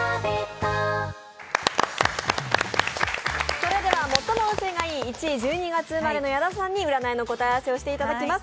それでは最も運勢がいい１位、１２月生まれの矢田さんに占いの答え合わせをしていただきます。